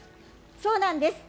そうなんです。